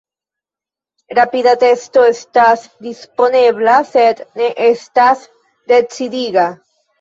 Rapida testo estas disponebla sed ne estas decidiga.